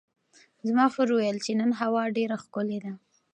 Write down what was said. زما خور وویل چې نن هوا ډېره ښکلې ده.